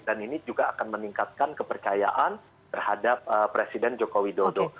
dan ini juga akan meningkatkan kepercayaan terhadap presiden joko widodo